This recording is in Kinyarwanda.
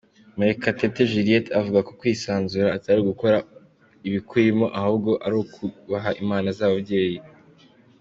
Murekatete Juliet avuga ko kwisanzura atari ugukora ibikurimo ahubwo ari ukubaha inama z’ababyeyi.